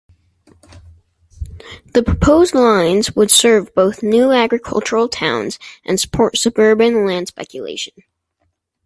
The proposed lines would serve both new agricultural towns and support suburban land speculation.